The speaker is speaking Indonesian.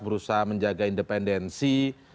berusaha menjaga independensi